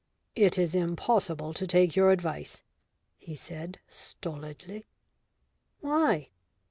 "It is impossible to take your advice," he said stolidly. "Why?"